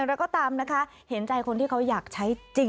เอาไปเลยค่ะ